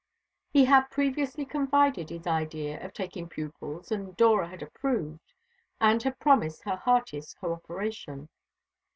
He had previously confided his idea of taking pupils, and Dora had approved, and had promised her heartiest cooperation.